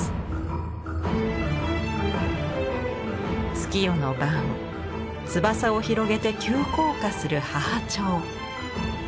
月夜の晩翼を広げて急降下する叭々鳥。